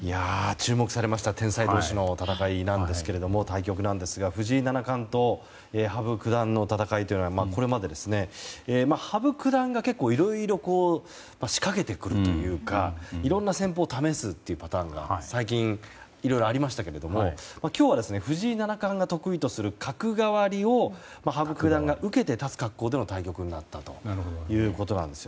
注目されました天才同士の対局なんですが藤井七冠と羽生九段の戦いというのはこれまで羽生九段がいろいろ仕掛けてくるというかいろんな戦法を試すというパターンがいろいろありましたけれども今日は藤井七冠が得意とする角換わりを羽生九段が受けて立つ格好での対局になったということです。